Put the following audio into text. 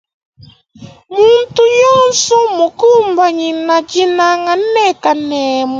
Muntu yonsu mmukumbanyina dinanga ne kanemu.